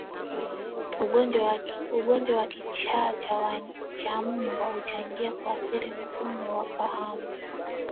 Ugonjwa wa kichaa cha mbwa huchangia kuathiri mfumo wa fahamu